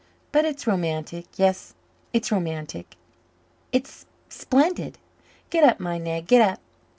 But it's romantic, yes, it's romantic. It's splendid. Get up, my nag, get up."